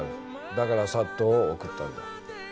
だからＳＡＴを送ったんだ。